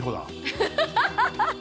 アハハハハ！